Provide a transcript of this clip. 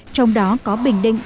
trong đó có bình định